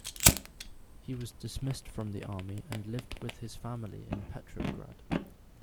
He was dismissed from the army and lived with his family in Petrograd.